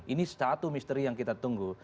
ini satu misteri yang kita tunggu